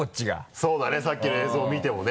そうだねさっきの映像見てもね。